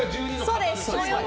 そうです。